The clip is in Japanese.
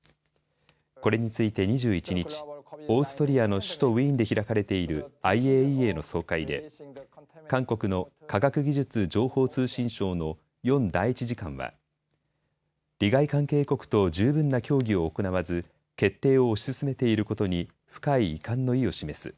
これについて２１日、オーストリアの首都ウィーンで開かれているＩＡＥＡの総会で韓国の科学技術情報通信省のヨン第１次官は、利害関係国と十分な協議を行わず決定を推し進めていることに深い遺憾の意を示す。